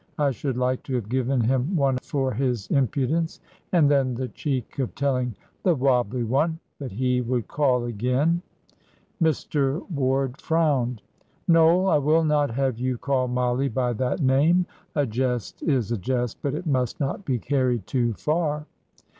I should like to have given him one for his impudence! And then the cheek of telling 'the wobbly one' that he would call again." Mr. Ward frowned. "Noel, I will not have you call Mollie by that name. A jest is a jest, but it must not be carried too far."